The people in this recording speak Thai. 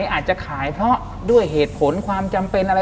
ทำไมเขาถึงจะมาอยู่ที่นั่น